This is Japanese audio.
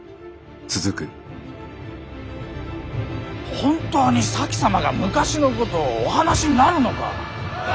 本当に前様が昔のことをお話しになるのか。